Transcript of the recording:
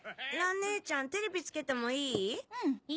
蘭姉ちゃんテレビつけてもいい？